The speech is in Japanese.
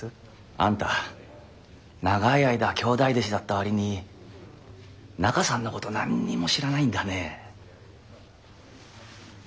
あんた長い間兄弟弟子だった割に中さんのこと何にも知らないんだね。